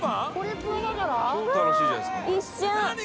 一瞬！